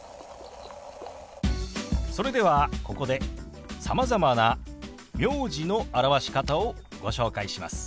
それではここでさまざまな名字の表し方をご紹介します。